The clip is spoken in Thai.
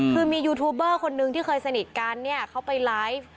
คือมียูทูบเบอร์คนนึงที่เคยสนิทกันเนี่ยเขาไปไลฟ์